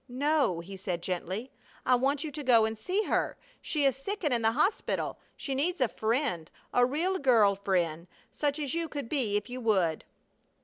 "No," he said, gently. "I want you to go and see her. She is sick and in the hospital. She needs a friend, a real girl friend, such as you could be if you would."